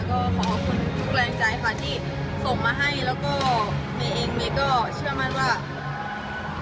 ก็ขอขอบคุณทุกแรงใจค่ะที่ส่งมาให้แล้วก็เมย์เองเมย์ก็เชื่อมั่นว่า